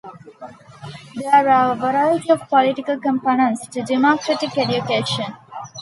There are a variety of political components to democratic education.